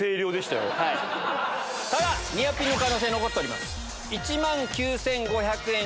ただニアピンの可能性残ってます。